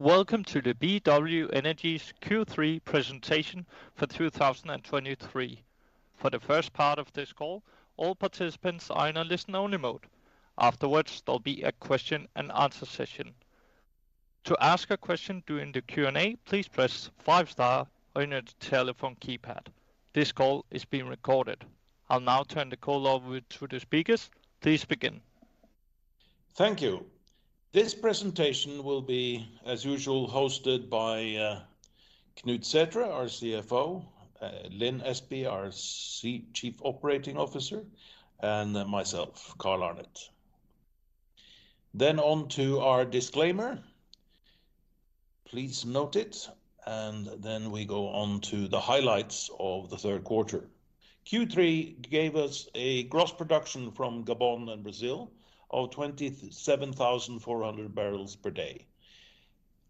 Welcome to the BW Energy's Q3 presentation for 2023. For the first part of this call, all participants are in a listen-only mode. Afterwards, there'll be a question-and-answer session. To ask a question during the Q&A, please press five star on your telephone keypad. This call is being recorded. I'll now turn the call over to the speakers. Please begin. Thank you. This presentation will be, as usual, hosted by Knut Sæthre, our CFO, Lin Espey, our Chief Operating Officer, and myself, Carl Arnet. Then on to our disclaimer. Please note it, and then we go on to the highlights of the third quarter. Q3 gave us a gross production from Gabon and Brazil of 27,400 barrels per day.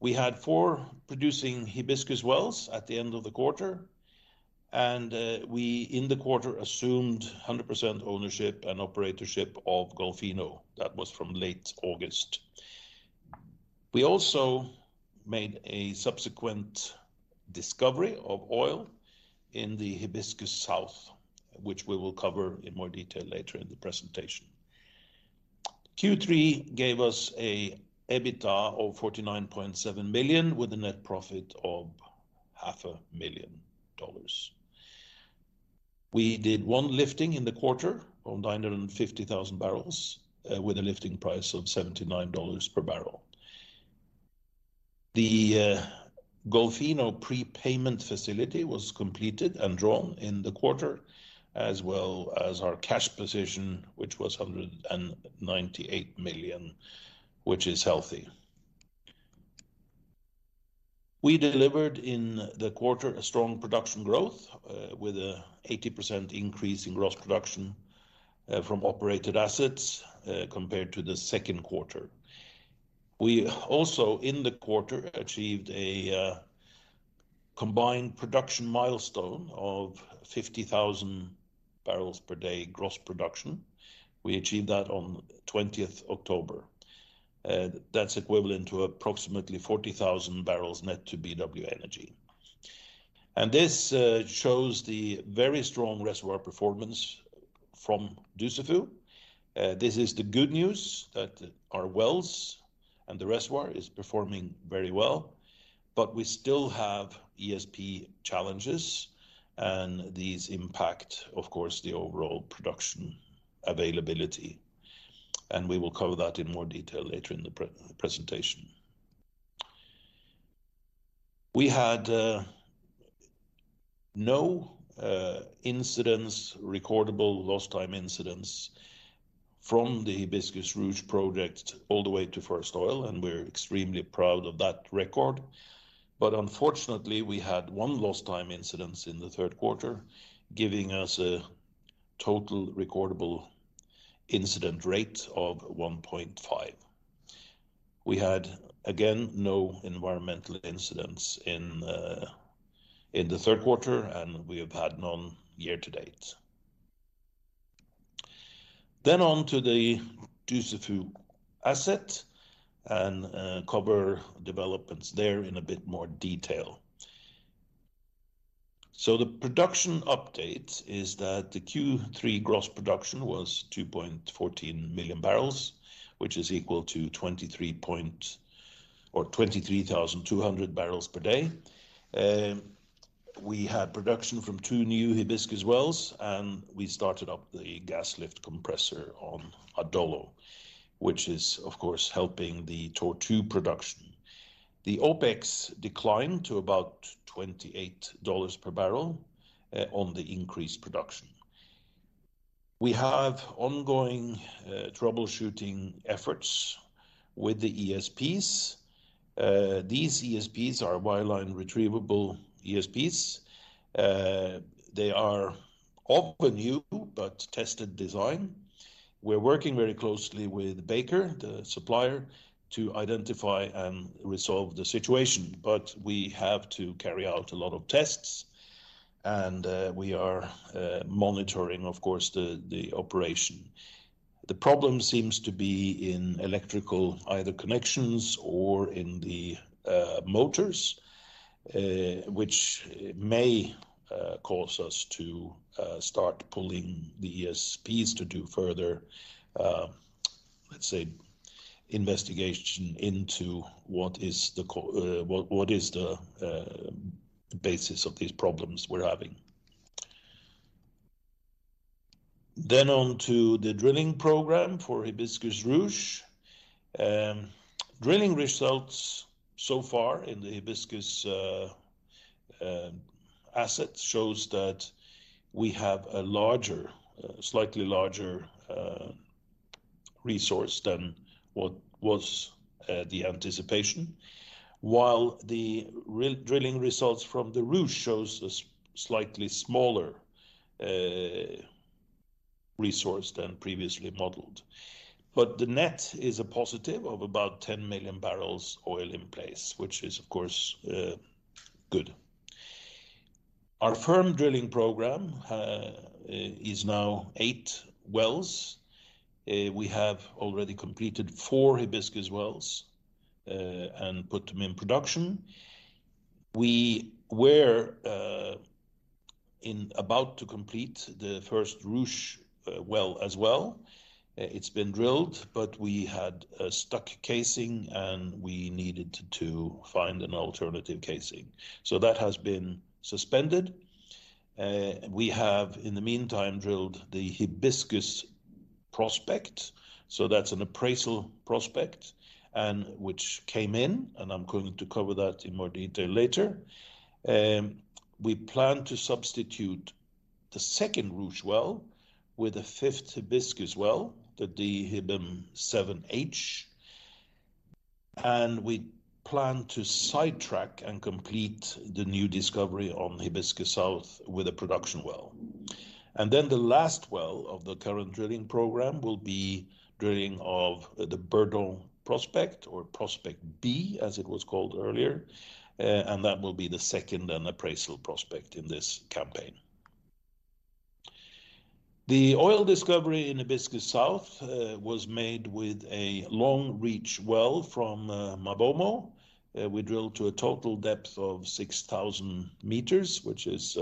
We had four producing Hibiscus wells at the end of the quarter, and we in the quarter assumed 100% ownership and operatorship of Golfinho. That was from late August. We also made a subsequent discovery of oil in the Hibiscus South, which we will cover in more detail later in the presentation. Q3 gave us a EBITDA of $49.7 million, with a net profit of $500,000. We did one lifting in the quarter of 950,000 barrels, with a lifting price of $79 per barrel. The Golfinho prepayment facility was completed and drawn in the quarter, as well as our cash position, which was $198 million, which is healthy. We delivered in the quarter a strong production growth, with an 80% increase in gross production, from operated assets, compared to the second quarter. We also, in the quarter, achieved a combined production milestone of 50,000 barrels per day gross production. We achieved that on 20th October. That's equivalent to approximately 40,000 barrels net to BW Energy. And this shows the very strong reservoir performance from Dussafu. This is the good news, that our wells and the reservoir is performing very well, but we still have ESP challenges, and these impact, of course, the overall production availability. And we will cover that in more detail later in the presentation. We had no recordable lost time incidents from the Hibiscus/Ruche project all the way to first oil, and we're extremely proud of that record. But unfortunately, we had one lost time incidents in the third quarter, giving us a total recordable incident rate of 1.5. We had, again, no environmental incidents in the third quarter, and we have had none year to date. Then on to the Dussafu asset and cover developments there in a bit more detail. So the production update is that the Q3 gross production was 2.14 million barrels, which is equal to 23,200 barrels per day. We had production from two new Hibiscus wells, and we started up the gas lift compressor on Adolo, which is of course helping the Tortue production. The OpEx declined to about $28 per barrel on the increased production. We have ongoing troubleshooting efforts with the ESPs. These ESPs are wireline retrievable ESPs. They are of a new but tested design. We're working very closely with Baker, the supplier, to identify and resolve the situation, but we have to carry out a lot of tests, and we are monitoring, of course, the operation. The problem seems to be in electrical, either connections or in the motors, which may cause us to start pulling the ESPs to do further, let's say, investigation into what is the basis of these problems we're having. Then on to the drilling program for Hibiscus/Ruche. Drilling results so far in the Hibiscus asset shows that we have a slightly larger resource than what was the anticipation. While the drilling results from the Ruche shows a slightly smaller resource than previously modeled. But the net is a positive of about 10 million barrels oil in place, which is, of course, good. Our firm drilling program is now 8 wells. We have already completed four Hibiscus wells and put them in production. We were in about to complete the first Ruche well as well. It's been drilled, but we had a stuck casing, and we needed to find an alternative casing. So that has been suspended. We have, in the meantime, drilled the Hibiscus prospect, so that's an appraisal prospect, and which came in, and I'm going to cover that in more detail later. We plan to substitute the second Ruche well with a fifth Hibiscus well, the DHIBM-07H, and we plan to sidetrack and complete the new discovery on Hibiscus South with a production well. And then the last well of the current drilling program will be drilling of the Bordeaux Prospect or Prospect B, as it was called earlier, and that will be the second and appraisal prospect in this campaign. The oil discovery in Hibiscus South was made with a long-reach well from MaBoMo. We drilled to a total depth of 6,000 m, which is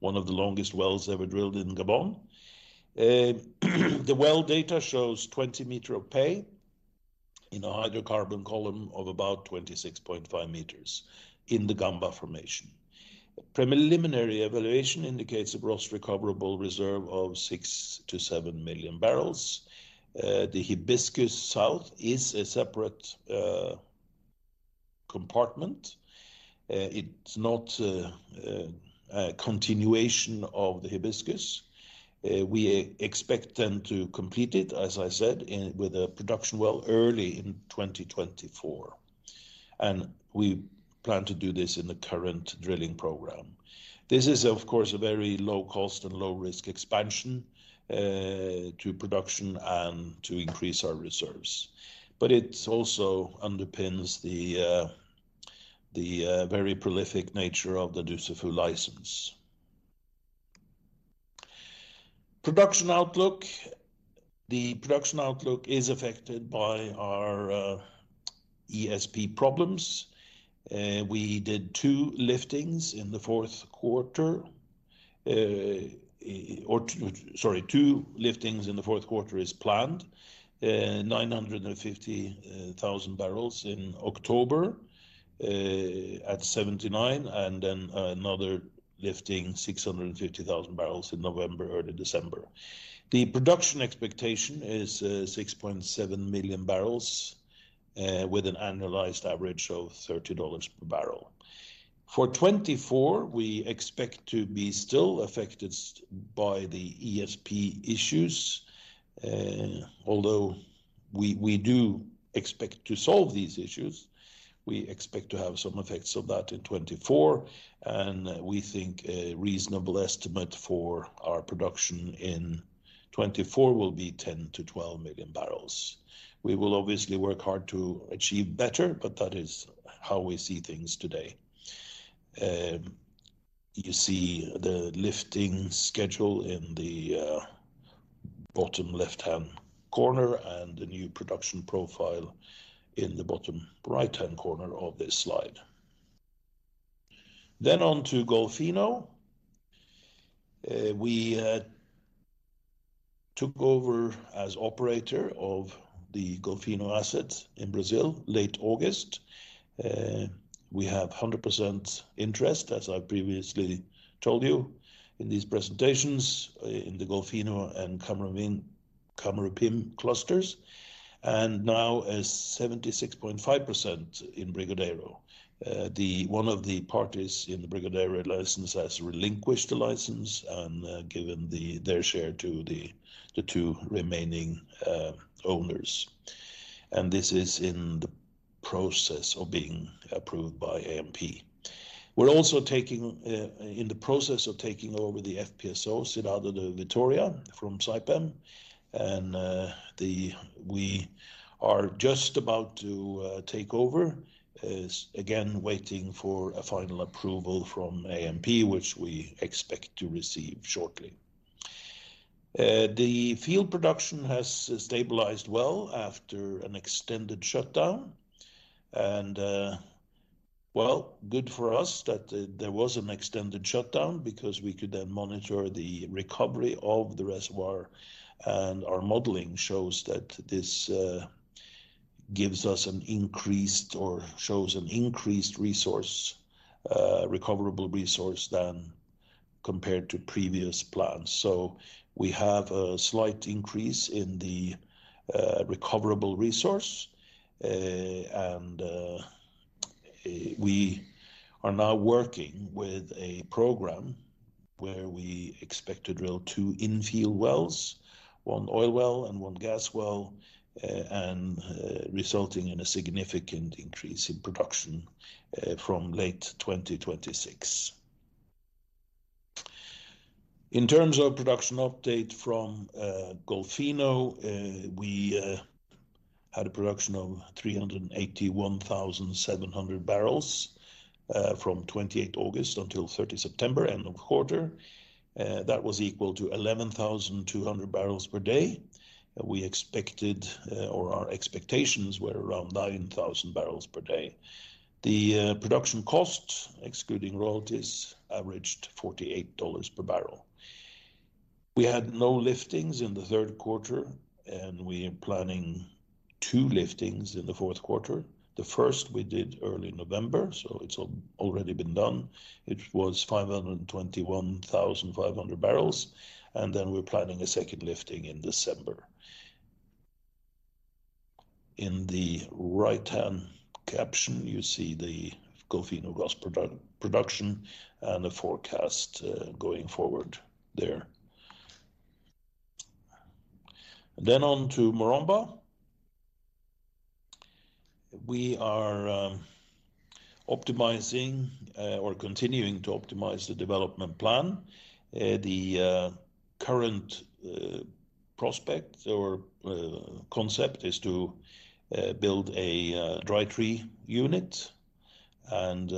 one of the longest wells ever drilled in Gabon. The well data shows 20 m of pay in a hydrocarbon column of about 26.5 m in the Gamba formation. Preliminary evaluation indicates a gross recoverable reserve of 6 million-7 million barrels. The Hibiscus South is a separate compartment. It's not a continuation of the Hibiscus. We expect then to complete it, as I said, with a production well early in 2024, and we plan to do this in the current drilling program. This is, of course, a very low cost and low-risk expansion to production and to increase our reserves. But it also underpins the very prolific nature of the Dussafu license. Production outlook. The production outlook is affected by our ESP problems. We plan two liftings in the fourth quarter. 950,000 barrels in October at $79, and then another lifting 650,000 barrels in November, early December. The production expectation is 6.7 million barrels with an annualized average of $30 per barrel. For 2024, we expect to be still affected by the ESP issues, although we do expect to solve these issues. We expect to have some effects of that in 2024, and we think a reasonable estimate for our production in 2024 will be 10 million-12 million barrels. We will obviously work hard to achieve better, but that is how we see things today. You see the lifting schedule in the bottom left-hand corner and the new production profile in the bottom right-hand corner of this slide. Then on to Golfinho. We took over as operator of the Golfinho assets in Brazil, late August. We have 100% interest, as I previously told you in these presentations, in the Golfinho and Camarupim clusters, and now as 76.5% in Brigadeiro. One of the parties in the Brigadeiro license has relinquished the license and given their share to the two remaining owners. And this is in the process of being approved by ANP. We're also in the process of taking over the FPSO Cidade de Vitória from Saipem, and the... We are just about to take over. Again, waiting for a final approval from ANP, which we expect to receive shortly. The field production has stabilized well after an extended shutdown. And, well, good for us that there, there was an extended shutdown because we could then monitor the recovery of the reservoir, and our modeling shows that this gives us an increased or shows an increased resource, recoverable resource than compared to previous plans. So we have a slight increase in the recoverable resource. And, we are now working with a program where we expect to drill two infill wells, one oil well and one gas well, and resulting in a significant increase in production, from late 2026.... In terms of production update from Golfinho, we had a production of 381,700 barrels from 28 August until 30 September, end of quarter. That was equal to 11,200 barrels per day. We expected, or our expectations were around 9,000 barrels per day. The production cost, excluding royalties, averaged $48 per barrel. We had no liftings in the third quarter, and we are planning two liftings in the fourth quarter. The first we did early November, so it's already been done. It was 521,500 barrels, and then we're planning a second lifting in December. In the right-hand caption, you see the Golfinho gas production and the forecast going forward there. Then on to Maromba. We are optimizing or continuing to optimize the development plan. The current prospect or concept is to build a dry tree unit and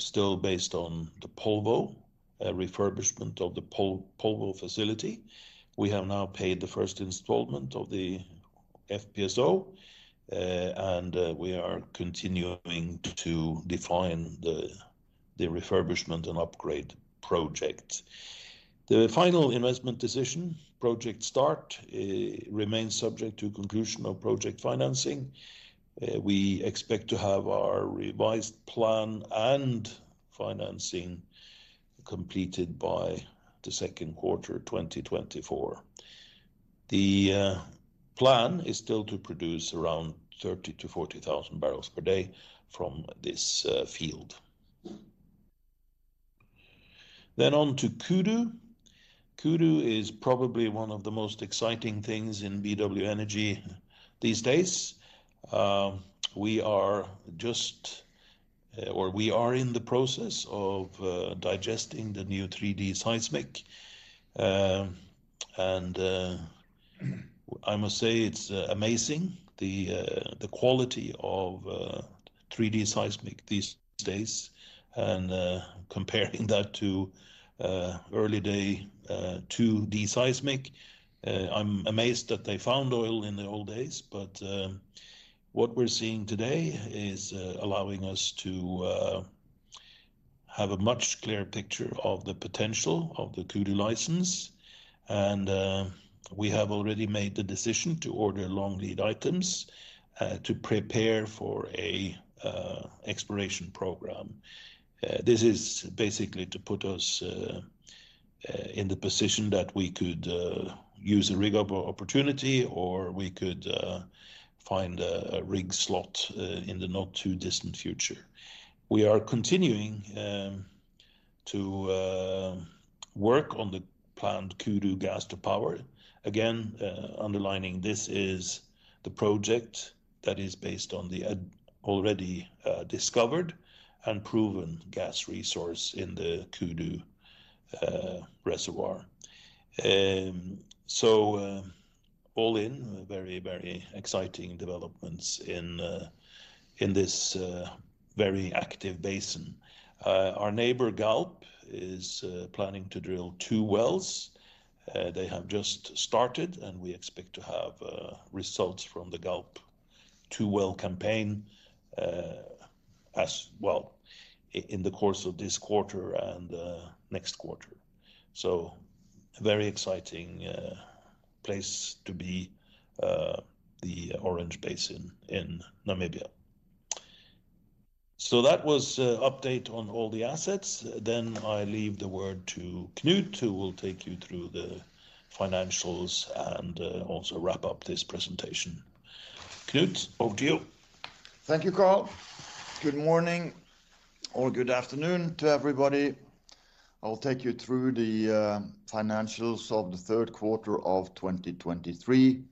still based on the Polvo, a refurbishment of the Polvo facility. We have now paid the first installment of the FPSO, and we are continuing to define the refurbishment and upgrade project. The final investment decision, project start, remains subject to conclusion of project financing. We expect to have our revised plan and financing completed by the second quarter 2024. The plan is still to produce around 30,000-40,000 barrels per day from this field. Then on to Kudu. Kudu is probably one of the most exciting things in BW Energy these days. We are just, or we are in the process of digesting the new 3D seismic. And, I must say it's amazing, the quality of 3D seismic these days. And, comparing that to early day 2D seismic, I'm amazed that they found oil in the old days. But, what we're seeing today is allowing us to have a much clearer picture of the potential of the Kudu license. And, we have already made the decision to order long lead items to prepare for a exploration program. This is basically to put us in the position that we could use a rig of opportunity, or we could find a rig slot in the not too distant future. We are continuing to work on the planned Kudu gas-to-power. Again, underlining, this is the project that is based on the already discovered and proven gas resource in the Kudu reservoir. So, all in, very, very exciting developments in this very active basin. Our neighbor, Galp, is planning to drill two wells. They have just started, and we expect to have results from the Galp two-well campaign, as well in the course of this quarter and next quarter. So a very exciting place to be, the Orange Basin in Namibia. So that was an update on all the assets. Then I leave the word to Knut, who will take you through the financials and also wrap up this presentation. Knut, over to you. Thank you, Carl. Good morning or good afternoon to everybody. I'll take you through the financials of the third quarter of 2023,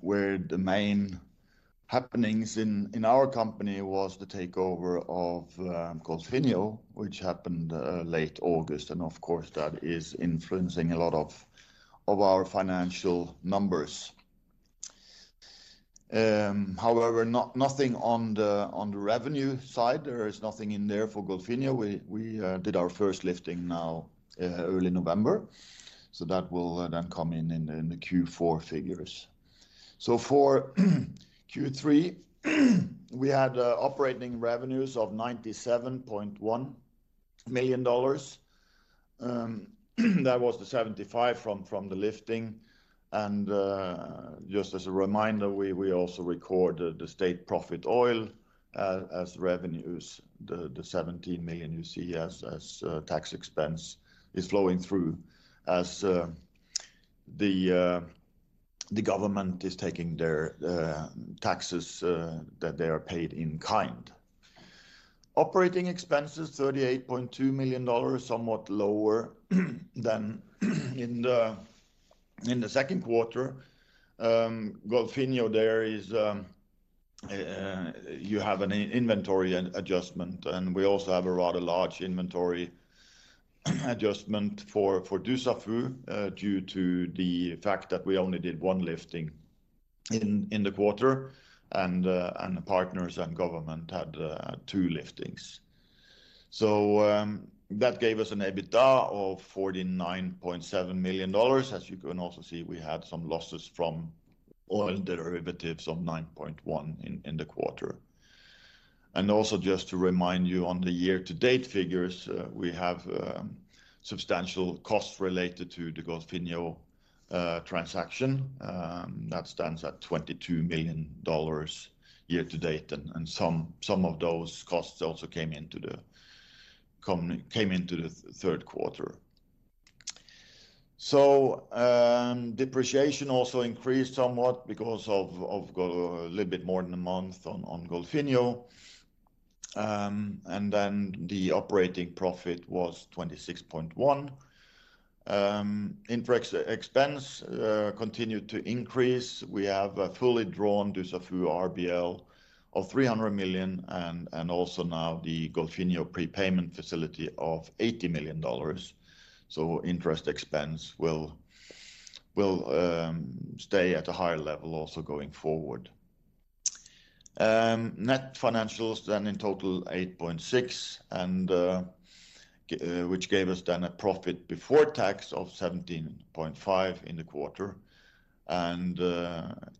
where the main happenings in our company was the takeover of Golfinho, which happened late August. And of course, that is influencing a lot of our financial numbers. However, nothing on the revenue side. There is nothing in there for Golfinho. We did our first lifting now early November, so that will then come in the Q4 figures. So for Q3, we had operating revenues of $97.1 million. That was the $75 million from the lifting. And just as a reminder, we also recorded the state profit oil as revenues. The 17 million you see as tax expense is flowing through as the government is taking their taxes that they are paid in kind. Operating expenses, $38.2 million, somewhat lower than in the second quarter. Golfinho, there is an inventory adjustment, and we also have a rather large inventory adjustment for Dussafu due to the fact that we only did one lifting in the quarter, and the partners and government had two liftings. So, that gave us an EBITDA of $49.7 million. As you can also see, we had some losses from oil derivatives of $9.1 million in the quarter. And also, just to remind you, on the year-to-date figures, we have substantial costs related to the Golfinho transaction that stands at $22 million year-to-date, and some of those costs also came into the third quarter. So, depreciation also increased somewhat because of a little bit more than a month on Golfinho. And then the operating profit was $26.1 million. Interest expense continued to increase. We have fully drawn Dussafu RBL of $300 million and also now the Golfinho prepayment facility of $80 million. So interest expense will stay at a higher level also going forward. Net financials then in total $8.6 million, and which gave us then a profit before tax of $17.5 million in the quarter, and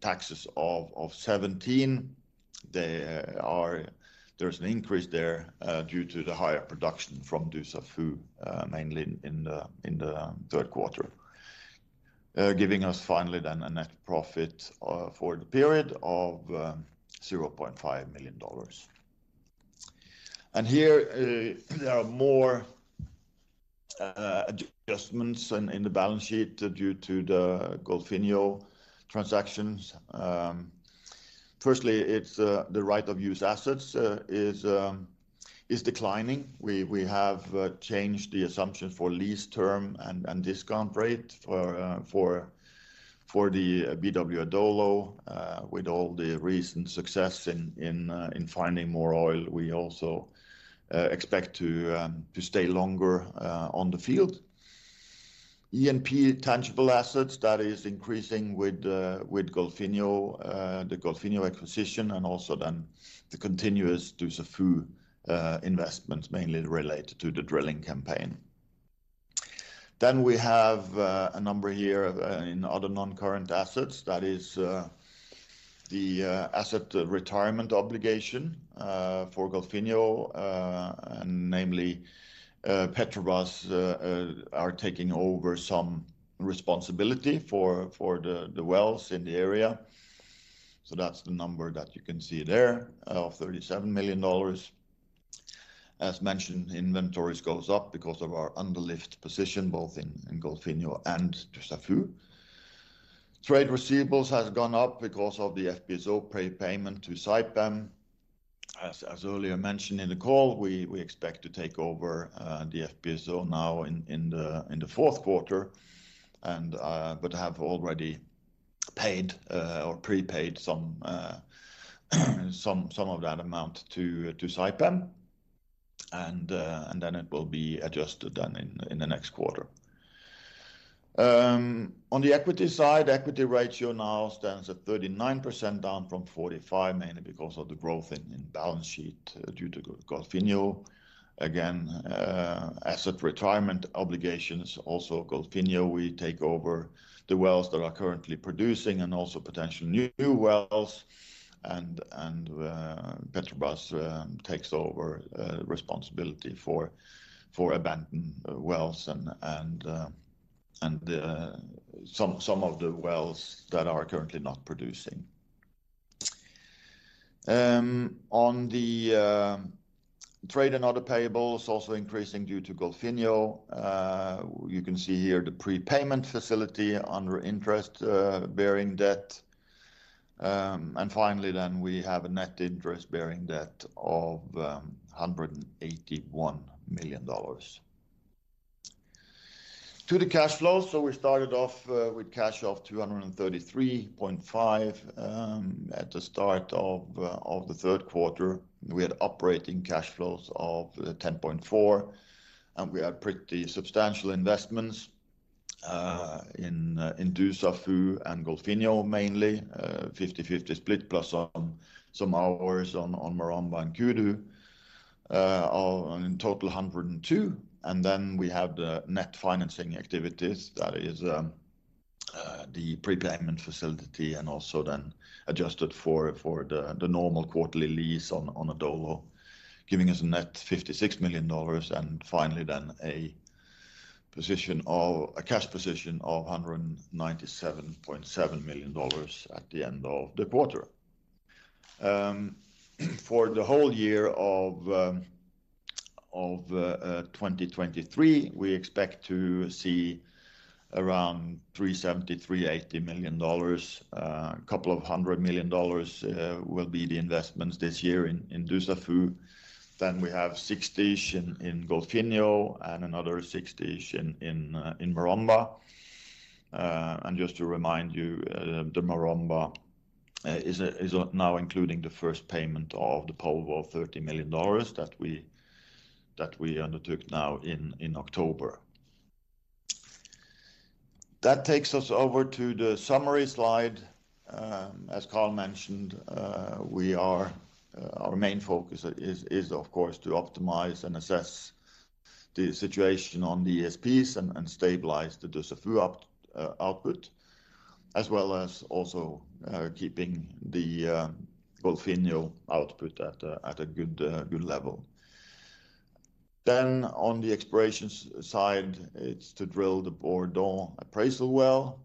taxes of $17 million. There's an increase there due to the higher production from Dussafu, mainly in the third quarter. Giving us finally then a net profit for the period of $0.5 million. And here, there are more adjustments in the balance sheet due to the Golfinho transactions. Firstly, it's the right of use assets is declining. We have changed the assumption for lease term and discount rate for the BW Adolo with all the recent success in finding more oil. We also expect to stay longer on the field. E&P tangible assets, that is increasing with Golfinho, the Golfinho acquisition, and also then the continuous Dussafu investments, mainly related to the drilling campaign. Then we have a number here in other non-current assets. That is the asset retirement obligation for Golfinho, and namely Petrobras are taking over some responsibility for the wells in the area. So that's the number that you can see there, of $37 million. As mentioned, inventories goes up because of our underlift position, both in Golfinho and Dussafu. Trade receivables has gone up because of the FPSO prepayment to Saipem. As earlier mentioned in the call, we expect to take over the FPSO now in the fourth quarter and but have already paid or prepaid some of that amount to Saipem. And then it will be adjusted then in the next quarter. On the equity side, equity ratio now stands at 39%, down from 45%, mainly because of the growth in balance sheet due to Golfinho. Again, asset retirement obligations, also Golfinho, we take over the wells that are currently producing and also potential new wells, and Petrobras takes over responsibility for abandoned wells and some of the wells that are currently not producing. On the trade and other payables, also increasing due to Golfinho. You can see here the prepayment facility under interest-bearing debt. And finally, then we have a net interest-bearing debt of $181 million. To the cash flow, so we started off with cash of $233.5 million at the start of the third quarter. We had operating cash flows of $10.4 million, and we had pretty substantial investments in Dussafu and Golfinho, mainly, 50/50 split, plus on some hours on Maromba and Kudu. All in total, $102 million. And then we have the net financing activities. That is, the prepayment facility and also then adjusted for the normal quarterly lease on Adolo, giving us a net $56 million, and finally then a position of... a cash position of $197.7 million at the end of the quarter. For the whole year of 2023, we expect to see around $370 million-$380 million. A couple of hundred million dollars will be the investments this year in Dussafu. Then we have six station in Golfinho and another six station in Maromba. And just to remind you, the Maromba is now including the first payment of the total of $30 million that we undertook now in October. That takes us over to the summary slide. As Carl mentioned, we are... Our main focus is, of course, to optimize and assess the situation on the ESPs and stabilize the Dussafu output, as well as also keeping the Golfinho output at a good level. Then on the exploration side, it's to drill the Bordeaux appraisal well,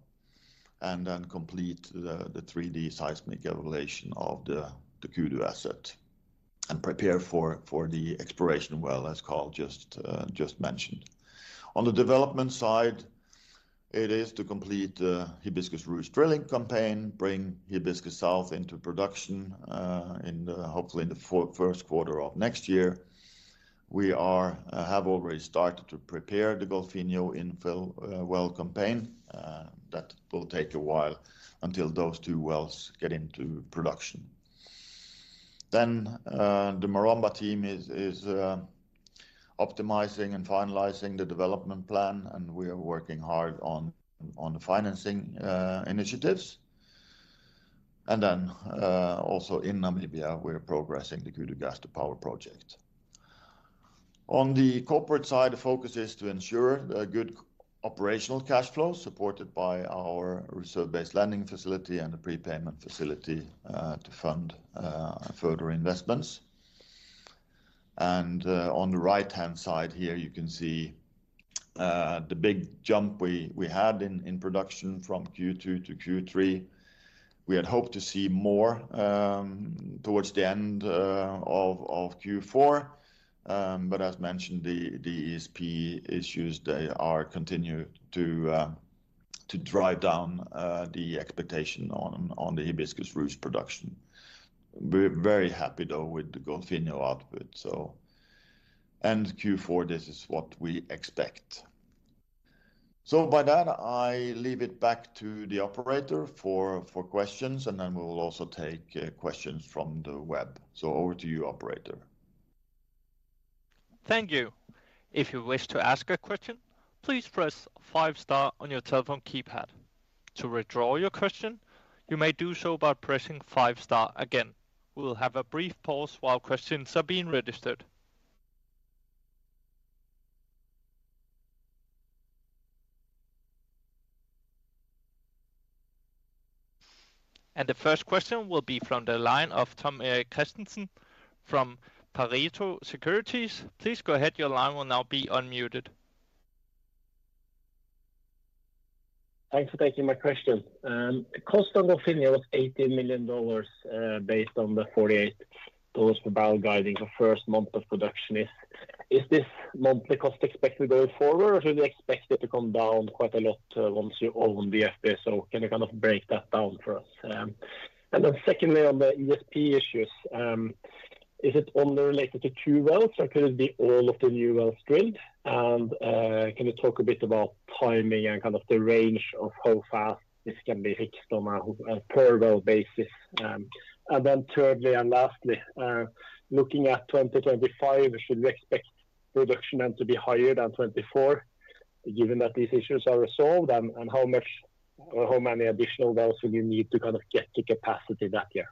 and then complete the 3D seismic evaluation of the Kudu asset, and prepare for the exploration well, as Carl just mentioned. On the development side, it is to complete the Hibiscus/Ruche drilling campaign, bring Hibiscus South into production, hopefully in the first quarter of next year. We have already started to prepare the Golfinho infill well campaign. That will take a while until those two wells get into production. Then, the Maromba team is optimizing and finalizing the development plan, and we are working hard on the financing initiatives. Also in Namibia, we are progressing the Kudu gas-to-power project. On the corporate side, the focus is to ensure a good operational cash flow, supported by our reserve-based lending facility and the prepayment facility to fund further investments. On the right-hand side here, you can see the big jump we had in production from Q2 to Q3. We had hoped to see more towards the end of Q4. But as mentioned, the ESP issues, they are continue to drive down the expectation on the Hibiscus/Ruche production. We're very happy though with the Golfinho output. Q4, this is what we expect. So with that, I leave it back to the operator for questions, and then we will also take questions from the web. So over to you, operator. Thank you. If you wish to ask a question, please press five star on your telephone keypad. To withdraw your question, you may do so by pressing five star again. We will have a brief pause while questions are being registered. The first question will be from the line of Tom Erik Kristiansen from Pareto Securities. Please go ahead, your line will now be unmuted. Thanks for taking my question. The cost on Golfinho was $80 million, based on the $48 per barrel guiding the first month of production. Is this monthly cost expected going forward, or do you expect it to come down quite a lot once you own the FPSO? Can you kind of break that down for us? And then secondly, on the ESP issues, is it only related to two wells, or could it be all of the new wells drilled? And can you talk a bit about timing and kind of the range of how fast this can be fixed on a per well basis? And then thirdly and lastly, looking at 2025, should we expect production then to be higher than 2024, given that these issues are resolved? How much or how many additional wells will you need to kind of get to capacity that year?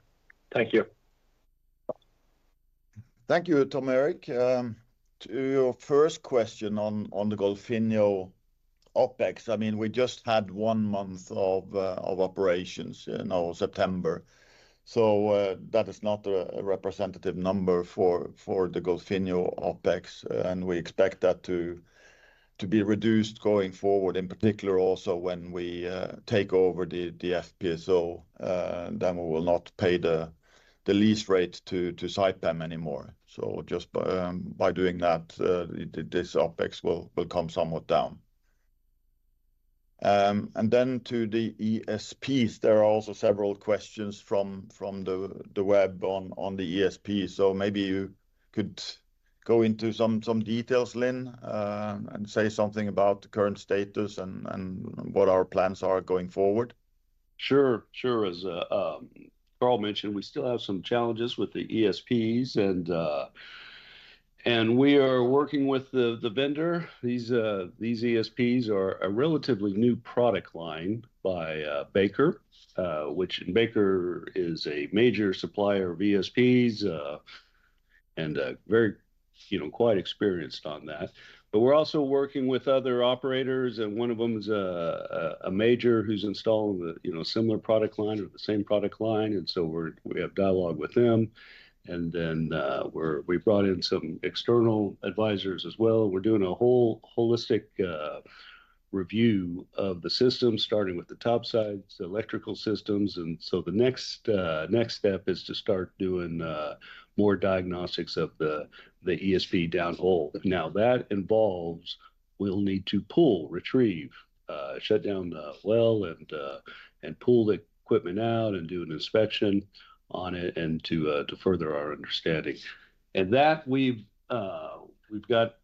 Thank you. Thank you, Tom Erik. To your first question on the Golfinho OpEx, I mean, we just had one month of operations in September. So, that is not a representative number for the Golfinho OpEx, and we expect that to be reduced going forward, in particular also when we take over the FPSO, then we will not pay the lease rate to Saipem anymore. So just by doing that, this OpEx will come somewhat down. And then to the ESPs, there are also several questions from the web on the ESPs. So maybe you could go into some details, Lin, and say something about the current status and what our plans are going forward. Sure, sure. As Carl mentioned, we still have some challenges with the ESPs, and we are working with the vendor. These ESPs are a relatively new product line by Baker, which Baker is a major supplier of ESPs, and very, you know, quite experienced on that. But we're also working with other operators, and one of them is a major who's installing the similar product line or the same product line, and so we have dialogue with them. And then, we brought in some external advisors as well. We're doing a whole holistic review of the system, starting with the top sides, electrical systems. And so the next step is to start doing more diagnostics of the ESP downhole. Now, that involves we'll need to pull, retrieve, shut down the well, and pull the equipment out and do an inspection on it and to further our understanding. And that we've got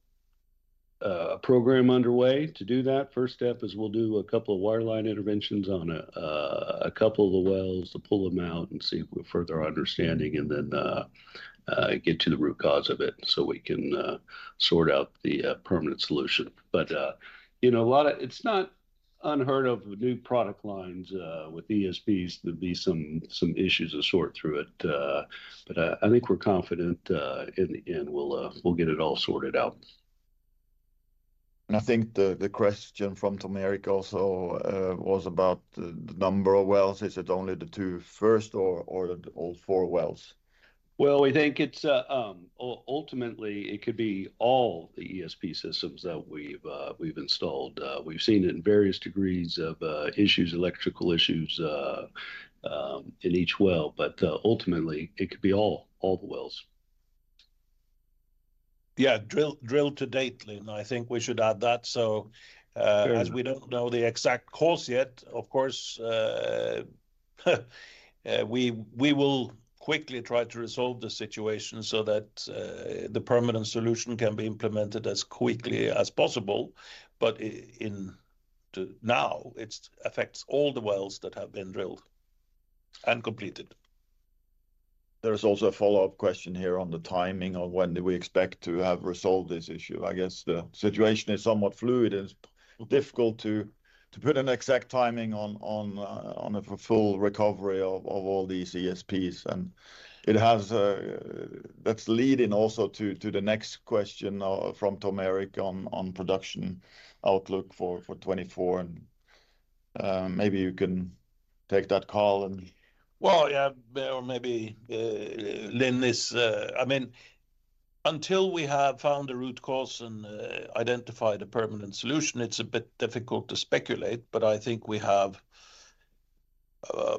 a program underway to do that. First step is we'll do a couple of wireline interventions on a couple of the wells to pull them out and see if we've further understanding, and then get to the root cause of it, so we can sort out the permanent solution. But you know, it's not unheard of with new product lines with ESPs, there'd be some issues to sort through it. But I think we're confident in we'll get it all sorted out. I think the question from Tom Erik also was about the number of wells. Is it only the two first or all four wells? Well, we think it's ultimately it could be all the ESP systems that we've installed. We've seen it in various degrees of issues, electrical issues, in each well, but ultimately, it could be all the wells. Yeah, drilled to date, Lin. I think we should add that. So- Sure... as we don't know the exact cause yet, of course, we will quickly try to resolve the situation so that the permanent solution can be implemented as quickly as possible. But now it affects all the wells that have been drilled and completed. There is also a follow-up question here on the timing of when do we expect to have resolved this issue. I guess the situation is somewhat fluid, and it's difficult to put an exact timing on a full recovery of all these ESPs. And it has... That's leading also to the next question from Tom Erik on production outlook for 2024, and maybe you can take that call, and- Well, yeah, or maybe, Lin, this... I mean, until we have found the root cause and identified a permanent solution, it's a bit difficult to speculate, but I think we have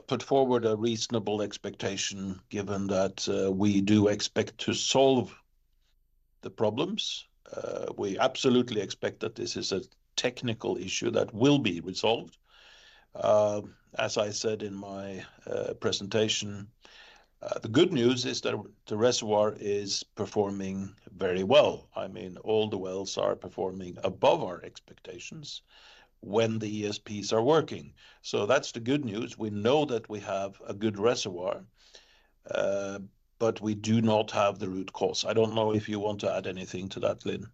put forward a reasonable expectation, given that we do expect to solve the problems. We absolutely expect that this is a technical issue that will be resolved. As I said in my presentation, the good news is that the reservoir is performing very well. I mean, all the wells are performing above our expectations when the ESPs are working. So that's the good news. We know that we have a good reservoir, but we do not have the root cause. I don't know if you want to add anything to that, Lin?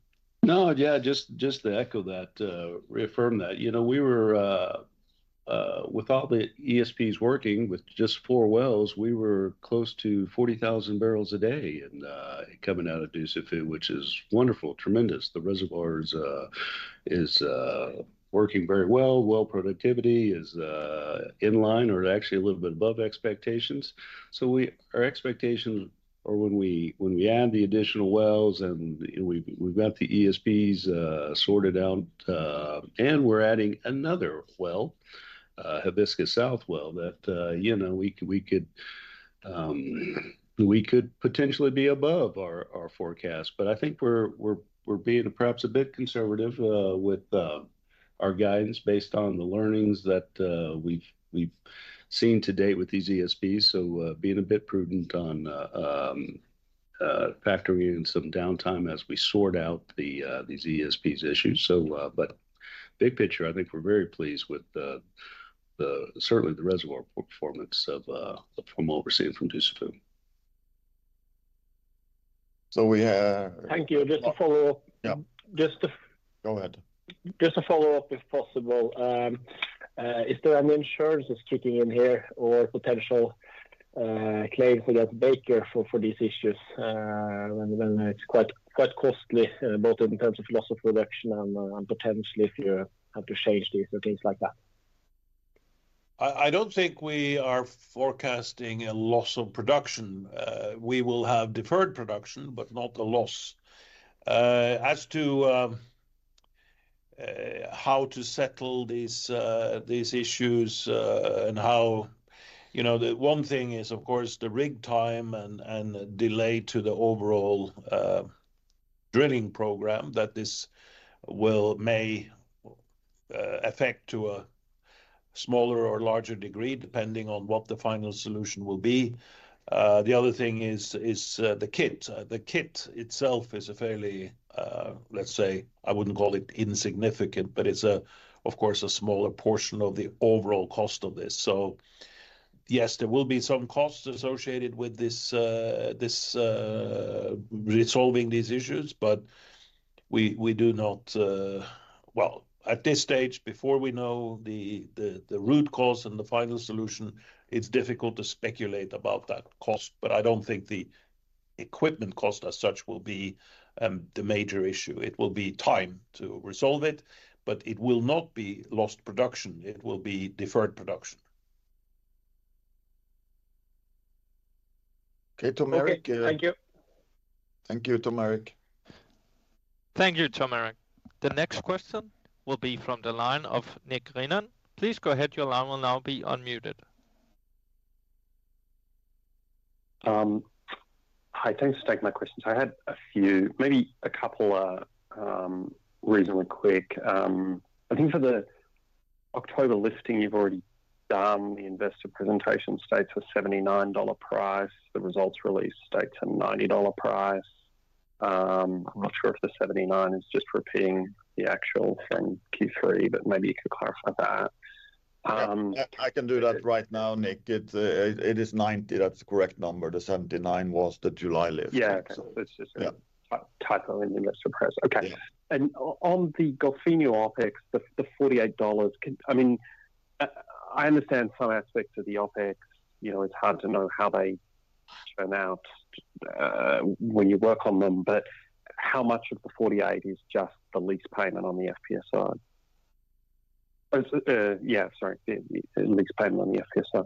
No. Yeah, just to echo that, reaffirm that. You know, we were with all the ESPs working with just four wells, we were close to 40,000 barrels a day, and coming out of Dussafu, which is wonderful, tremendous. The reservoir is working very well. Well productivity is in line or actually a little bit above expectations. So our expectations are when we add the additional wells and, you know, we've got the ESPs sorted out, and we're adding another well, Hibiscus South well, that you know, we could potentially be above our forecast. But I think we're being perhaps a bit conservative with our guidance based on the learnings that we've seen to date with these ESPs. So, being a bit prudent on, factoring in some downtime as we sort out the, these ESPs issues. So, but big picture, I think we're very pleased with the, certainly the reservoir performance of, from what we're seeing from Dussafu. So we Thank you. Just to follow-up- Yeah. Just to- Go ahead. Just to follow-up, if possible. Is there any insurance that's kicking in here or potential claims against Baker for these issues? When it's quite costly, both in terms of loss of production and potentially if you have to change these or things like that. I don't think we are forecasting a loss of production. We will have deferred production, but not a loss. As to how to settle these issues, and how, you know, the one thing is, of course, the rig time and delay to the overall drilling program, that this well may affect to a smaller or larger degree, depending on what the final solution will be. The other thing is the kit. The kit itself is a fairly, let's say, I wouldn't call it insignificant, but it's, of course, a smaller portion of the overall cost of this. So yes, there will be some costs associated with this resolving these issues, but we do not. Well, at this stage, before we know the root cause and the final solution, it's difficult to speculate about that cost, but I don't think the equipment cost as such will be the major issue. It will be time to resolve it, but it will not be lost production, it will be deferred production. Okay, Tom Erik- Okay, thank you. Thank you, Tom Erik. Thank you, Tom Erik. The next question will be from the line of Nick Renane. Please go ahead, your line will now be unmuted. Hi, thanks for taking my questions. I had a few, maybe a couple, reasonably quick. I think for the October listing, you've already done the investor presentation states a $79 price. The results release states a $90 price. I'm not sure if the $79 is just repeating the actual from Q3, but maybe you could clarify that. I can do that right now, Nick. It is $90, that's the correct number. The $79 was the July list. Yeah. It's just- Yeah. Typo in the investor press. Okay. Yeah. And on the Golfinho OpEx, the $48—I mean, I understand some aspects of the OpEx, you know, it's hard to know how they turn out when you work on them, but how much of the $48 is just the lease payment on the FPSO? Yeah, sorry, the lease payment on the FPSO.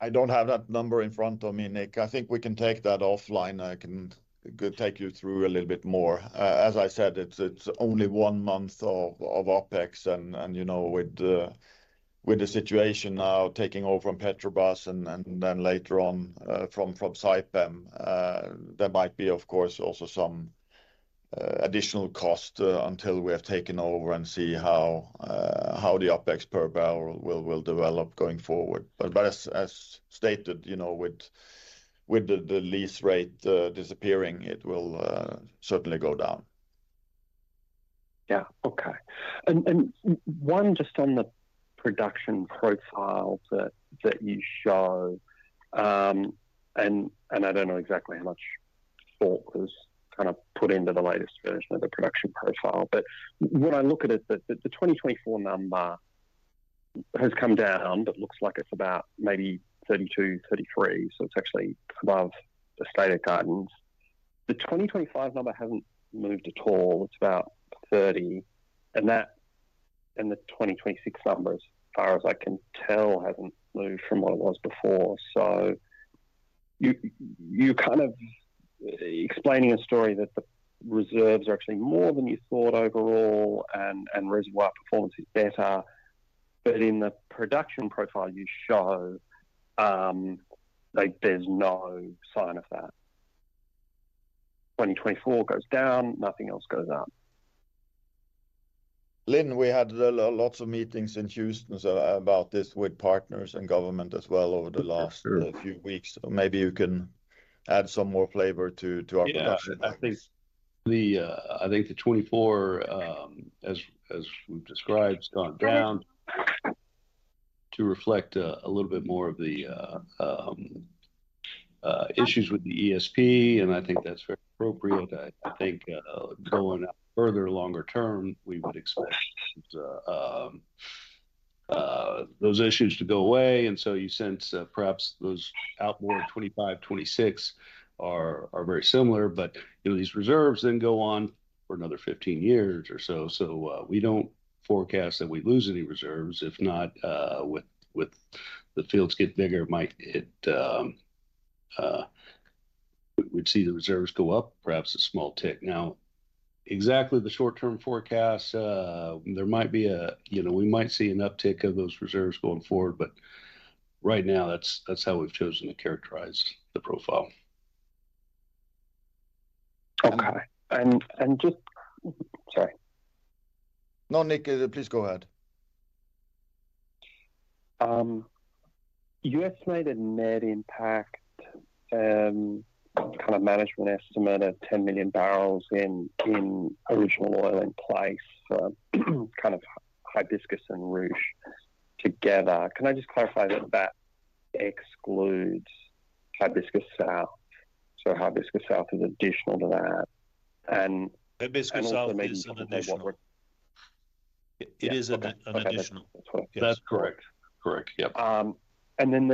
I don't have that number in front of me, Nick. I think we can take that offline, and I can go take you through a little bit more. As I said, it's only one month of OpEx and, you know, with the situation now taking over from Petrobras and then later on from Saipem, there might be, of course, also some additional cost until we have taken over and see how the OpEx per barrel will develop going forward. But as stated, you know, with the lease rate disappearing, it will certainly go down. Yeah. Okay. And one, just on the production profile that you show, and I don't know exactly how much thought was kind of put into the latest version of the production profile, but when I look at it, the 2024 number has come down, but looks like it's about maybe 32, 33, so it's actually above the stated guidance. The 2025 number hasn't moved at all. It's about 30, and the 2026 number, as far as I can tell, hasn't moved from what it was before. So you're kind of explaining a story that the reserves are actually more than you thought overall and reservoir performance is better, but in the production profile you show, like, there's no sign of that. 2024 goes down, nothing else goes up. Lin, we had a lot of meetings in Houston, so, about this with partners and government as well over the last- Sure... few weeks. So maybe you can add some more flavor to, to our production numbers. Yeah, I think the 2024, as we've described, has gone down to reflect a little bit more of the issues with the ESP, and I think that's very appropriate. I think going out further, longer term, we would expect those issues to go away, and so you sense that perhaps those out more in 2025, 2026 are very similar. But, you know, these reserves then go on for another 15 years or so, so we don't forecast that we'd lose any reserves, if not, with the fields get bigger, might it, we, we'd see the reserves go up, perhaps a small tick. Now, exactly the short-term forecast, there might be a, you know, we might see an uptick of those reserves going forward, but right now, that's, that's how we've chosen to characterize the profile. Okay, just... Sorry. No, Nick, please go ahead. You estimated net impact, kind of management estimate of 10 million barrels original oil in place, kind of Hibiscus and Ruche together. Can I just clarify that that excludes Hibiscus South? So Hibiscus South is additional to that, and- Hibiscus South is an additional. It is an- Okay... an additional. That's correct. Correct. Yep. And then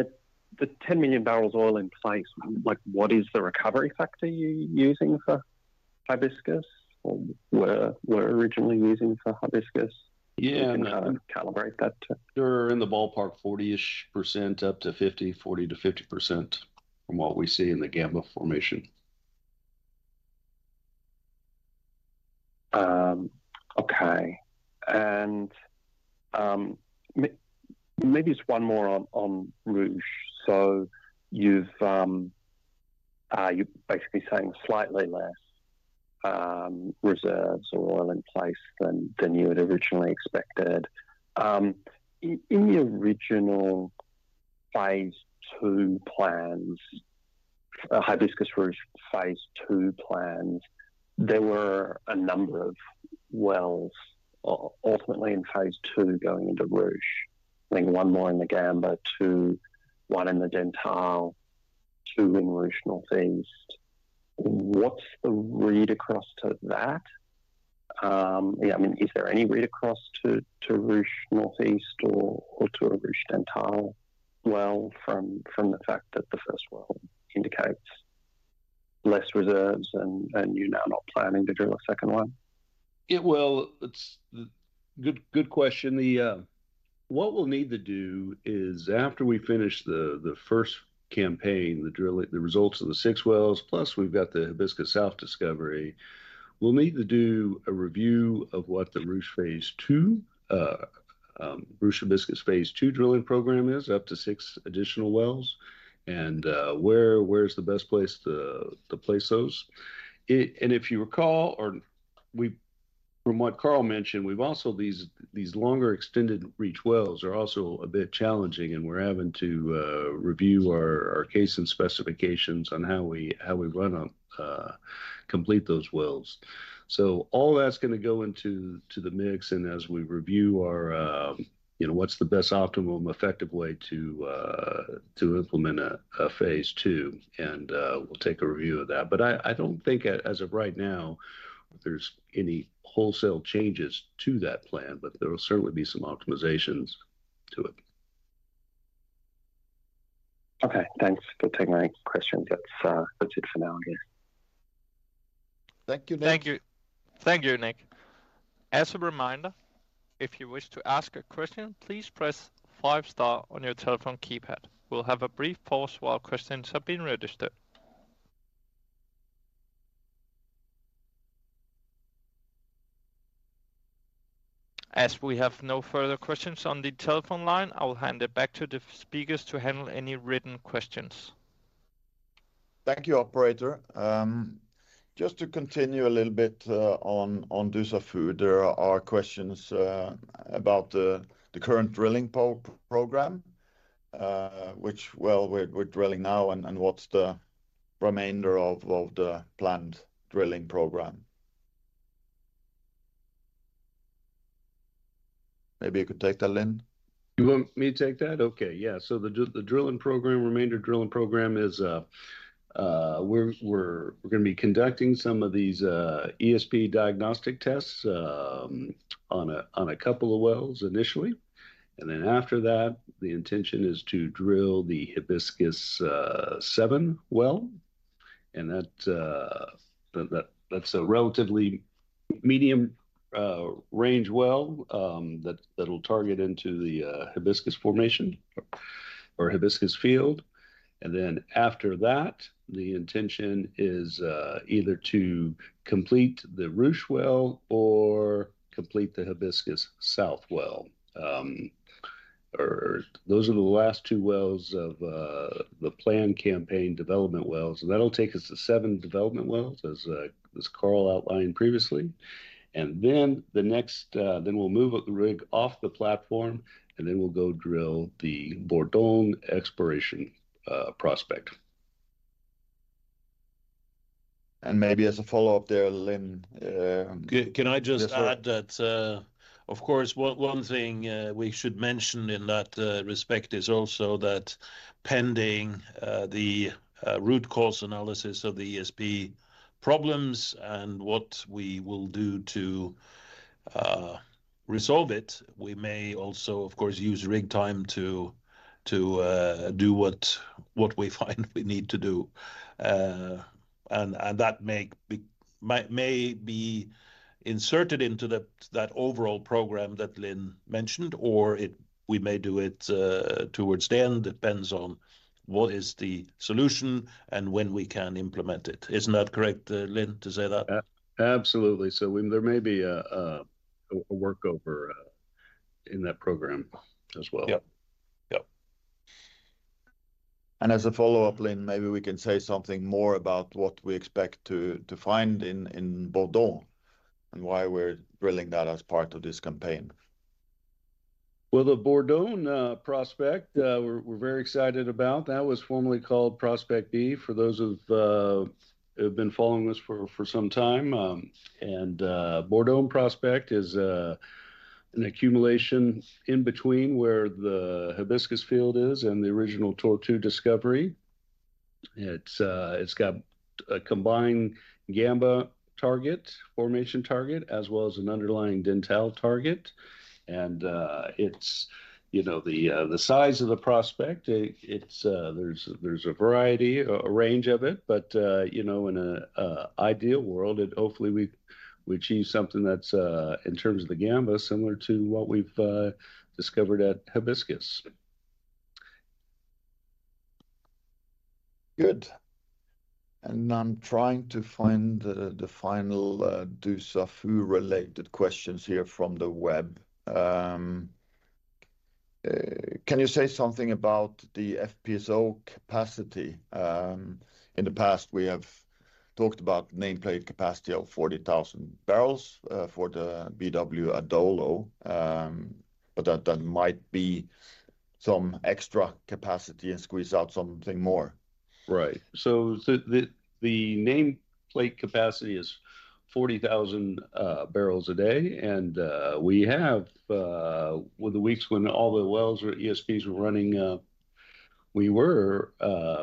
the 10 million barrels oil in place, like, what is the recovery factor you're using for Hibiscus or were originally using for Hibiscus? Yeah. calibrate that to- They're in the ballpark, 40-ish%, up to 50, 40%-50% from what we see in the Gamba formation. Okay. And maybe just one more on Ruche. So you're basically saying slightly less reserves or oil in place than you had originally expected. In the original Phase II plans, Hibiscus/Ruche Phase II plans, there were a number of wells, ultimately in Phase II, going into Ruche. I think one more in the Gamba, two, one in the Dentale, two in Ruche Northeast. What's the read across to that? Yeah, I mean, is there any read across to Ruche Northeast or to a Ruche Dentale well from the fact that the first well indicates less reserves and you're now not planning to drill a second one? It's good, good question. What we'll need to do is, after we finish the first campaign, the drilling, the results of the 6-wells, plus we've got the Hibiscus South discovery, we'll need to do a review of what the Ruche Phase II... Ruche Hibiscus Phase II drilling program is up to 6 additional wells, and where is the best place to place those? And if you recall, from what Carl mentioned, we've also these longer extended reach wells are also a bit challenging, and we're having to review our casing and specifications on how we run and complete those wells. So all that's gonna go into the mix, and as we review our... You know, what's the best optimal and effective way to implement a Phase II, and we'll take a review of that. But I don't think as of right now, there's any wholesale changes to that plan, but there will certainly be some optimizations to it. Okay, thanks for taking my question. That's, that's it for now here. Thank you, Nick. Thank you. Thank you, Nick. As a reminder, if you wish to ask a question, please press five star on your telephone keypad. We'll have a brief pause while questions are being registered. As we have no further questions on the telephone line, I will hand it back to the speakers to handle any written questions. Thank you, operator. Just to continue a little bit, on, on Dussafu, there are questions about the, the current drilling program, which, well, we're, we're drilling now, and, and what's the remainder of, of the planned drilling program? Maybe you could take that, Lin. You want me to take that? Okay. Yeah, so the drilling program, remainder drilling program is, we're gonna be conducting some of these ESP diagnostic tests on a couple of wells initially, and then after that, the intention is to drill the Hibiscus seven-well, and that's a relatively medium range well that'll target into the Hibiscus formation or Hibiscus field. And then after that, the intention is either to complete the Ruche well or complete the Hibiscus South well. Or those are the last two wells of the plan campaign development wells, and that'll take us to seven development wells, as Carl outlined previously. And then the next... Then we'll move the rig off the platform, and then we'll go drill the Bordeaux exploration prospect. Maybe as a follow-up there, Lin, Can I just add that- Yes, sure... of course, one thing we should mention in that respect is also that pending the root cause analysis of the ESP problems and what we will do to resolve it, we may also, of course, use rig time to do what we find we need to do. And that may be, may be inserted into that overall program that Lin mentioned, or we may do it towards the end, depends on what is the solution and when we can implement it. Isn't that correct, Lin, to say that? Absolutely. So there may be a workover in that program as well. Yep. Yep. As a follow-up, Lin, maybe we can say something more about what we expect to find in Bordeaux, and why we're drilling that as part of this campaign. Well, the Bordeaux Prospect, we're very excited about, that was formerly called Prospect B, for those who have been following this for some time. And, Bordeaux Prospect is an accumulation in between where the Hibiscus field is and the original Tortue discovery. It's got a combined Gamba formation target, as well as an underlying Dentale target, and, it's, you know, the size of the prospect, it's... There's a variety, a range of it, but, you know, in an ideal world, hopefully we achieve something that's in terms of the Gamba, similar to what we've discovered at Hibiscus. Good. And I'm trying to find the final Dussafu related questions here from the web. Can you say something about the FPSO capacity? In the past, we have talked about nameplate capacity of 40,000 barrels for the BW Adolo, but that might be some extra capacity and squeeze out something more. Right. So the nameplate capacity is 40,000 barrels a day, and we have, with the weeks when all the wells or ESPs were running, we were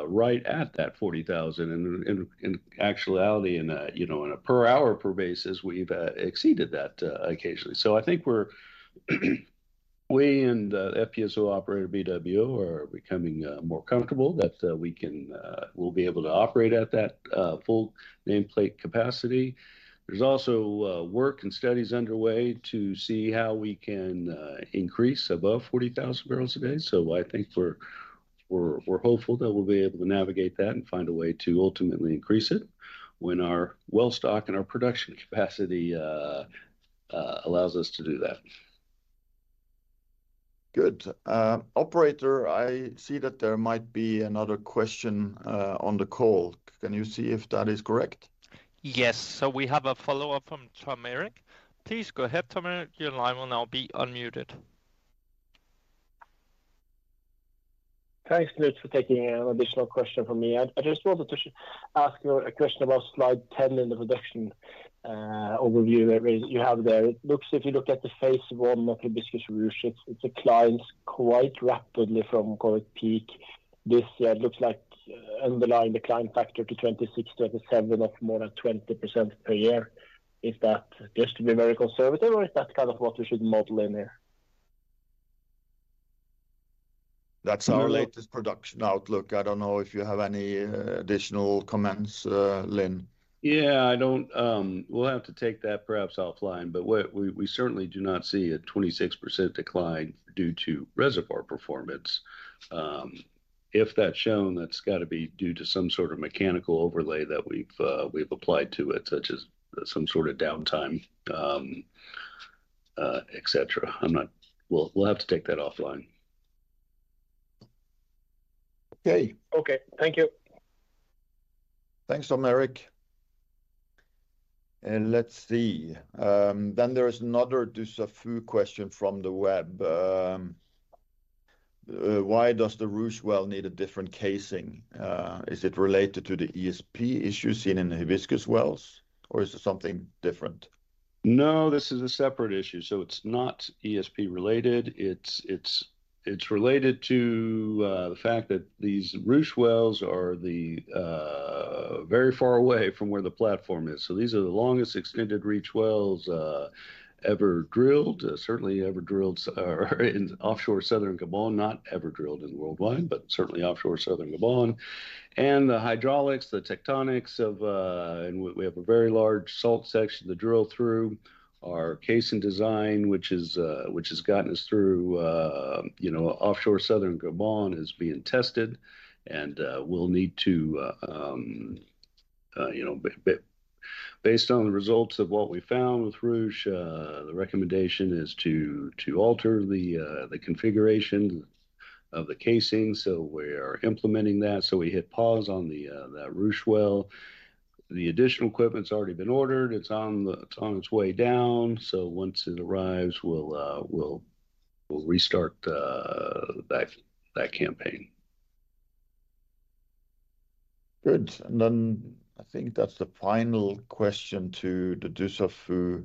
right at that 40,000, and in actuality, in a, you know, in a per hour per basis, we've exceeded that occasionally. So I think we're, we and FPSO operator, BWO, are becoming more comfortable that we can, we'll be able to operate at that full nameplate capacity. There's also work and studies underway to see how we can increase above 40,000 barrels a day. So I think we're hopeful that we'll be able to navigate that and find a way to ultimately increase it when our well stock and our production capacity allows us to do that. Good. Operator, I see that there might be another question on the call. Can you see if that is correct? Yes. So we have a follow-up from Tom Erik. Please go ahead, Tom Erik. Your line will now be unmuted. Thanks, Knut, for taking an additional question from me. I just wanted to ask you a question about Slide 10 in the production overview that you have there. It looks, if you look at the phase one of the Hibiscus/Ruche, it declines quite rapidly from current peak. This looks like underlying decline factor to 26-27, or more than 20% per year. Is that just to be very conservative, or is that kind of what we should model in there? That's our latest production outlook. I don't know if you have any additional comments, Lin? Yeah, I don't. We'll have to take that perhaps offline, but we certainly do not see a 26% decline due to reservoir performance. If that's shown, that's got to be due to some sort of mechanical overlay that we've applied to it, such as some sort of downtime, et cetera. We'll have to take that offline. Okay. Okay, thank you. Thanks, Tom Erik. Let's see. There is another Dussafu question from the web. Why does the Ruche well need a different casing? Is it related to the ESP issue seen in the Hibiscus wells, or is it something different? No, this is a separate issue, so it's not ESP related. It's related to the fact that these Ruche wells are very far away from where the platform is. So these are the longest extended reach wells ever drilled, certainly ever drilled in offshore southern Gabon, not ever drilled worldwide, but certainly offshore southern Gabon. And the hydraulics, the tectonics of... And we have a very large salt section to drill through. Our casing design, which has gotten us through, you know, offshore southern Gabon, is being tested, and we'll need to, you know, based on the results of what we found with Ruche, the recommendation is to alter the configuration of the casing. So we're implementing that. We hit pause on that Ruche well. The additional equipment's already been ordered, it's on its way down, so once it arrives, we'll restart that campaign. Good. And then I think that's the final question to the Dussafu.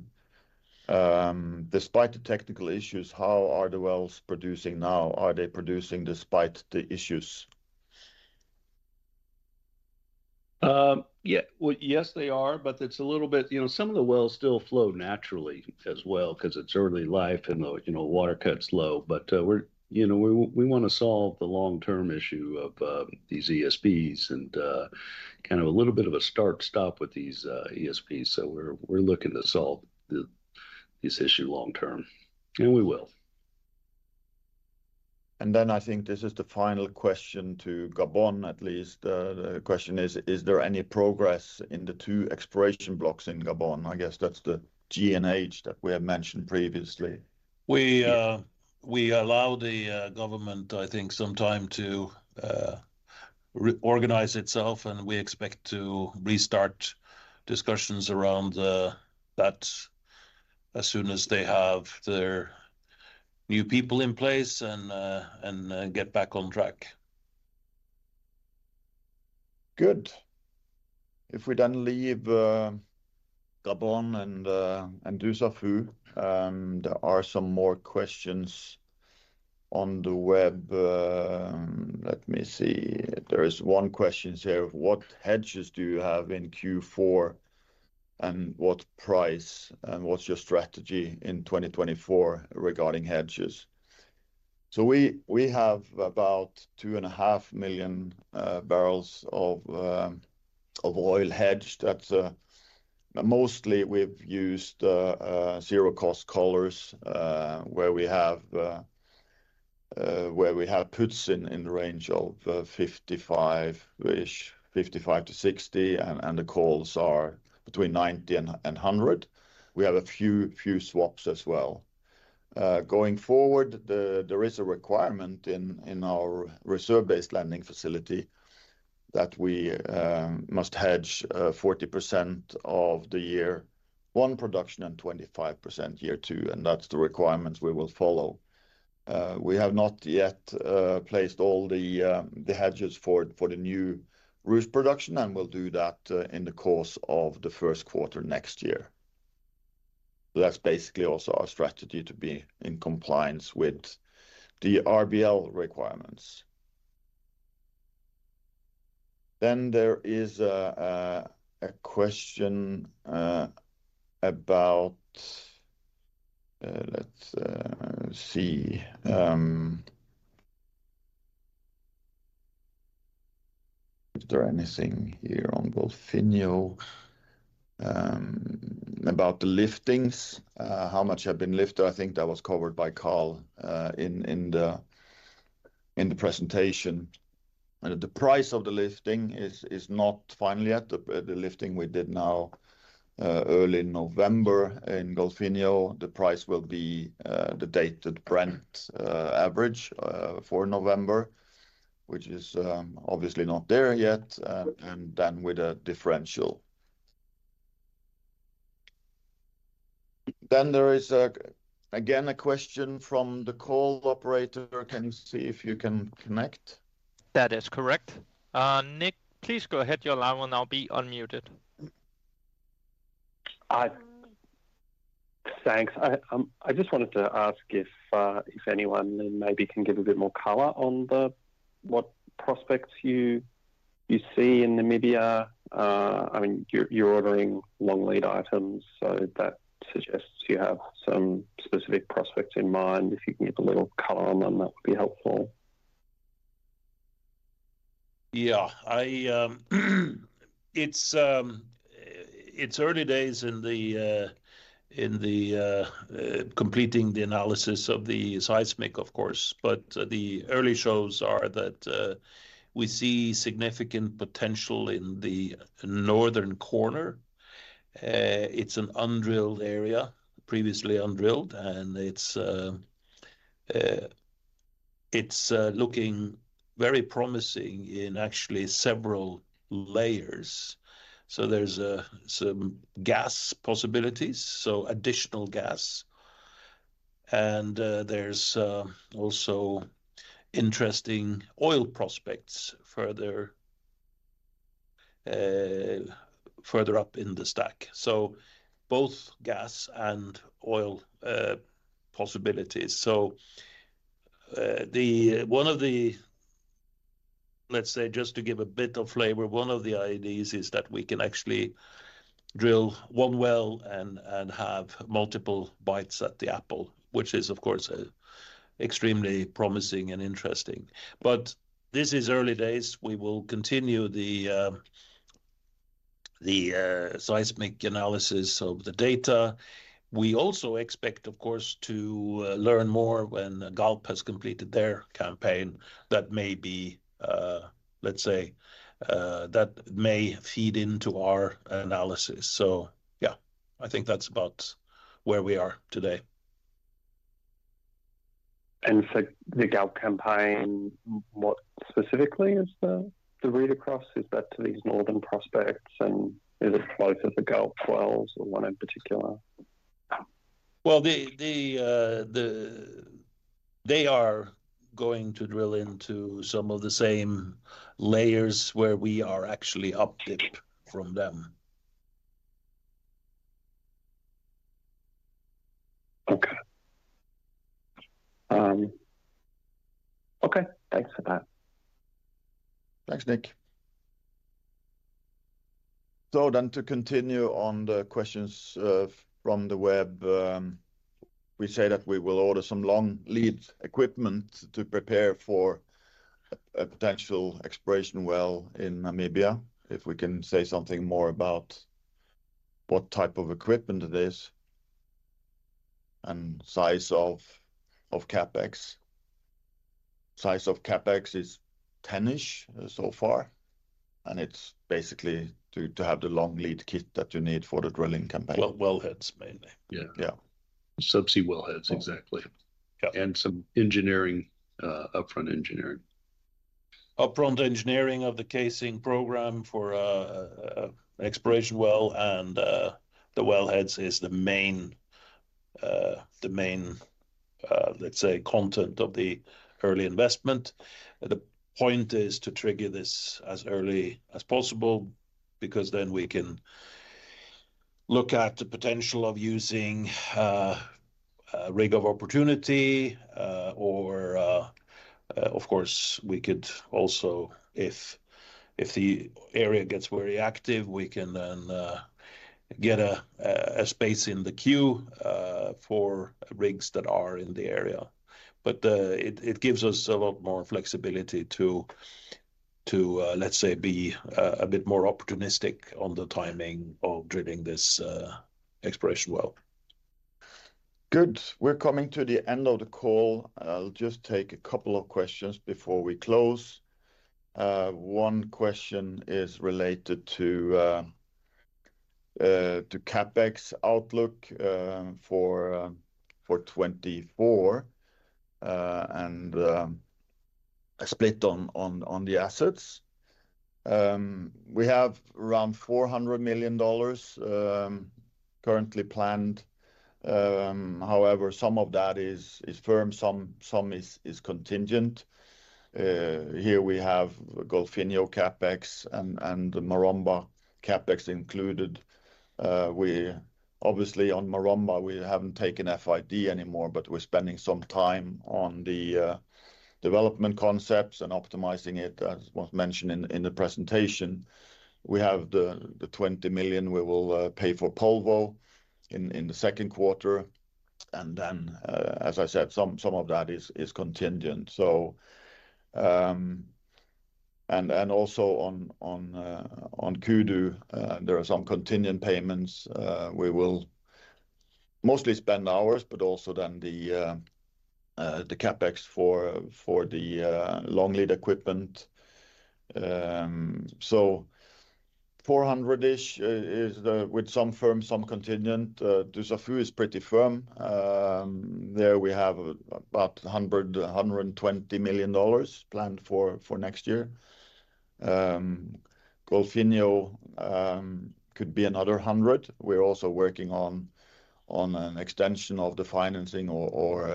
Despite the technical issues, how are the wells producing now? Are they producing despite the issues? Yeah. Well, yes, they are, but it's a little bit... You know, some of the wells still flow naturally as well, 'cause it's early life and the you know water cut's low. But, we're you know we wanna solve the long-term issue of these ESPs, and kind of a little bit of a stark stop with these ESPs. So we're looking to solve this issue long-term, and we will. I think this is the final question to Gabon, at least. The question is, is there any progress in the two exploration blocks in Gabon? I guess that's the G and H that we have mentioned previously. We, we allowed the government, I think, some time to reorganize itself, and we expect to restart discussions around that as soon as they have their new people in place and get back on track. Good. If we then leave Gabon and Dussafu, there are some more questions on the web. Let me see. There is one question here, "What hedges do you have in Q4, and what price, and what's your strategy in 2024 regarding hedges?" So we have about 2.5 million barrels of oil hedged. That's mostly we've used zero cost collars, where we have puts in the range of 55-ish, 55-60, and the calls are between 90-100. We have a few swaps as well. Going forward, there is a requirement in our reserve-based lending facility, that we must hedge 40% of the year one production and 25% year two, and that's the requirements we will follow. We have not yet placed all the hedges for the new Ruche production, and we'll do that in the course of the first quarter next year. That's basically also our strategy to be in compliance with the RBL requirements. Then there is a question about... Let's see. Is there anything here on Golfinho about the liftings, how much have been lifted? I think that was covered by Carl in the presentation. And the price of the lifting is not final yet. The lifting we did now, early November in Golfinho, the price will be the dated Brent average for November, which is obviously not there yet, and then with a differential. Then there is again a question from the call operator. Can you see if you can connect? That is correct. Nick, please go ahead. Your line will now be unmuted. Thanks. I just wanted to ask if anyone maybe can give a bit more color on the, what prospects you see in Namibia? I mean, you're ordering long lead items, so that suggests you have some specific prospects in mind. If you can give a little color on them, that would be helpful. Yeah. It's early days in completing the analysis of the seismic, of course, but the early shows are that we see significant potential in the northern corner. It's an undrilled area, previously undrilled, and it's looking very promising in actually several layers. So there's some gas possibilities, so additional gas, and there's also interesting oil prospects further up in the stack. So both gas and oil possibilities. So, the... One of the, let's say, just to give a bit of flavor, one of the ideas is that we can actually drill one well and have multiple bites at the apple, which is, of course, extremely promising and interesting. But this is early days, we will continue the seismic analysis of the data. We also expect, of course, to learn more when Galp has completed their campaign. That may be, let's say, that may feed into our analysis. So yeah, I think that's about where we are today. For the Galp campaign, what specifically is the read across? Is that to these northern prospects, and is it close to the Galp wells, or one in particular? Well, they are going to drill into some of the same layers where we are actually up dip from them. Okay. Okay, thanks for that. Thanks, Nick. So then to continue on the questions, from the web, we say that we will order some long lead equipment to prepare for a potential exploration well in Namibia. If we can say something more about what type of equipment it is and size of CapEx? Size of CapEx is $10-ish so far, and it's basically to have the long lead kit that you need for the drilling campaign. Well, wellheads, mainly. Yeah. Yeah. Subsea well heads, exactly. Yeah. Some engineering, upfront engineering. Upfront engineering of the casing program for exploration well, and the well heads is the main, the main, let's say, content of the early investment. The point is to trigger this as early as possible, because then we can look at the potential of using a rig of opportunity, or, of course, we could also, if the area gets very active, we can then get a space in the queue for rigs that are in the area. But it gives us a lot more flexibility to, let's say, be a bit more opportunistic on the timing of drilling this exploration well. Good. We're coming to the end of the call. I'll just take a couple of questions before we close. One question is related to CapEx outlook for 2024, and a split on the assets. We have around $400 million currently planned. However, some of that is firm, some is contingent. Here we have Golfinho CapEx and Maromba CapEx included. We obviously on Maromba, we haven't taken FID anymore, but we're spending some time on the development concepts and optimizing it, as was mentioned in the presentation. We have the $20 million we will pay for Polvo in the second quarter... And then, as I said, some of that is contingent. Also on Kudu, there are some contingent payments. We will mostly spend USD, but also then the CapEx for the long lead equipment. So $400 million-ish is, with some firm, some contingent. Dussafu is pretty firm. There we have about $120 million planned for next year. Golfinho could be another $100 million. We're also working on an extension of the financing or,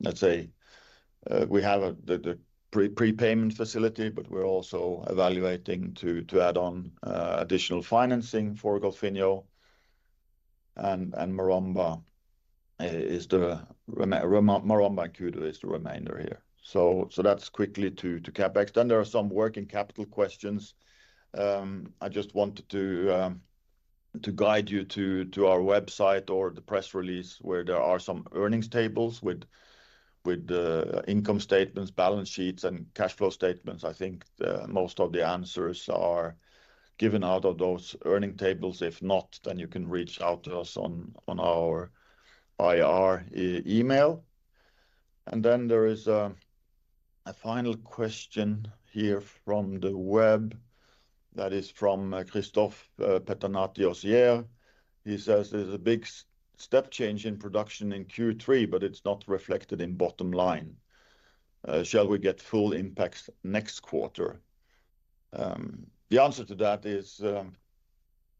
let's say, we have the prepayment facility, but we're also evaluating to add on additional financing for Golfinho. And Maromba and Kudu is the remainder here. So that's quickly to CapEx. Then there are some working capital questions. I just wanted to guide you to our website or the press release, where there are some earnings tables with income statements, balance sheets, and cash flow statements. I think most of the answers are given out of those earnings tables. If not, then you can reach out to us on our IR email. And then there is a final question here from the web that is from Christophe Pettenati-Auzière. He says, "There's a big step change in production in Q3, but it's not reflected in bottom line. Shall we get full impacts next quarter?" The answer to that is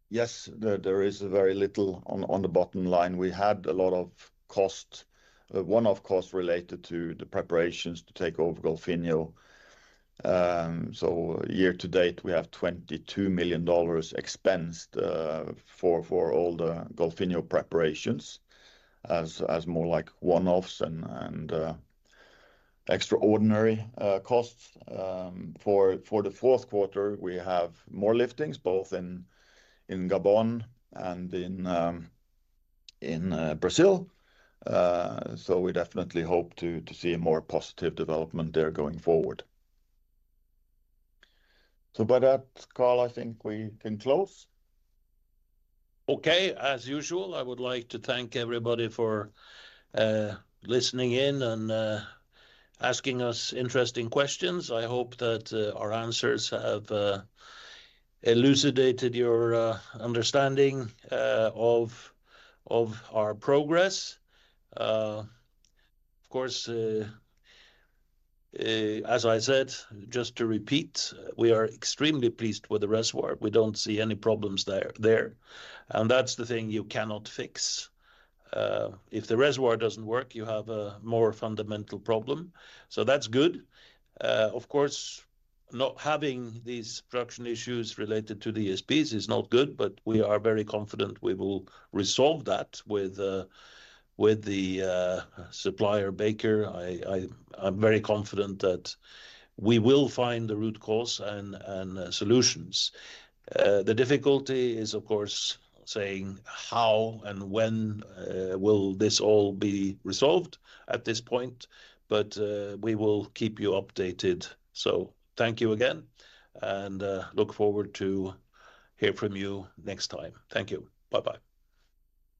yes, there is very little on the bottom line. We had a lot of costs, one-off costs related to the preparations to take over Golfinho. So year to date, we have $22 million expensed for all the Golfinho preparations, as more like one-offs and extraordinary costs. For the fourth quarter, we have more liftings, both in Gabon and in Brazil. So we definitely hope to see a more positive development there going forward. So by that, Carl, I think we can close. Okay. As usual, I would like to thank everybody for listening in and asking us interesting questions. I hope that our answers have elucidated your understanding of our progress. Of course, as I said, just to repeat, we are extremely pleased with the reservoir. We don't see any problems there, and that's the thing you cannot fix. If the reservoir doesn't work, you have a more fundamental problem, so that's good. Of course, not having these production issues related to the ESPs is not good, but we are very confident we will resolve that with the supplier, Baker. I'm very confident that we will find the root cause and solutions. The difficulty is, of course, saying how and when will this all be resolved at this point, but we will keep you updated. So thank you again, and look forward to hear from you next time. Thank you. Bye-bye.